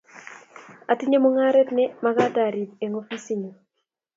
atinye mungaret ne magat arib eng' ofisinyu